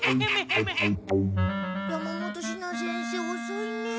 山本シナ先生おそいね。